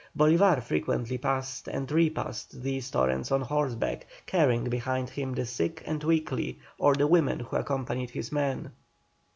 Bolívar frequently passed and repassed these torrents on horseback, carrying behind him the sick and weakly, or the women who accompanied his men.